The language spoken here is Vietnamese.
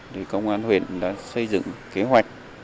thì công an huyện đã xây dựng kế hoạch